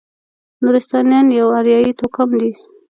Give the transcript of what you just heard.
نورستانیان یو اریایي توکم دی.